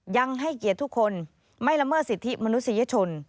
ยังให้เกียรติทุกคนไม่ละเมิดสิทธิมนุษยชน